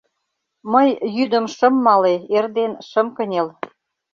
Мый йӱдым шым мале, эрден шым кынел.